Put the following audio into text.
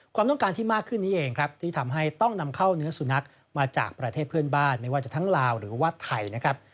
ความต้องการที่มากขึ้นนี้เองครับที่ทำให้ต้องนำเข้าเนื้อสุนัขมาจากประเทศเพื่อนบ้านไม่ว่าจะทั้งลาวหรือว่าไทยนะครับ